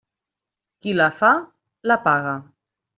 Qui la fa, la paga.